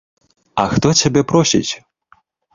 А хто цябе просіць?